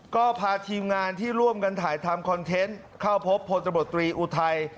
ก็พาทีมงานที่ร่วมกันถ่ายทำคอนเทนต์เข้าพบพลตบตรีอุทัย